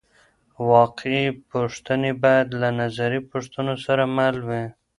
واقعي پوښتنې باید له نظري پوښتنو سره مل وي.